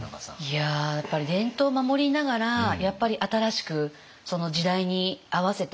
いややっぱり伝統を守りながらやっぱり新しくその時代に合わせて変化していくって。